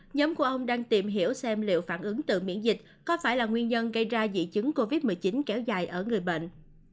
nhóm của ông đang tìm hiểu xem liệu phản ứng từ miễn dịch có phải là nguyên nhân gây ra dị chứng covid một mươi chín kéo dài ở người bệnh